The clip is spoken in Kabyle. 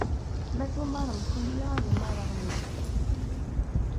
Ma tumarem kenwi, ad umareɣ nekk.